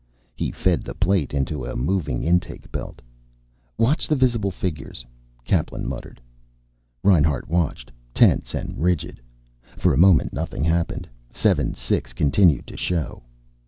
He fed the plate into a moving intake belt. "Watch the visible figures," Kaplan muttered. Reinhart watched, tense and rigid. For a moment nothing happened. 7 6 continued to show.